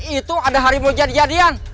itu ada harimau jadi jadian